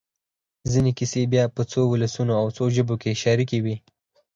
ځينې کیسې بیا په څو ولسونو او څو ژبو کې شریکې وي.